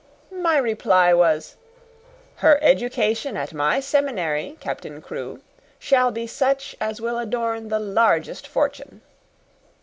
My reply was, 'Her education at my seminary, Captain Crewe, shall be such as will adorn the largest fortune.'